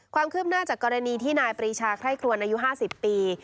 ความคืบหน้าจากกรณีที่นายปรีชาไคร่ครวนอายุ๕๐ปี